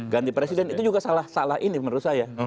jadi presiden itu juga salah salah ini menurut saya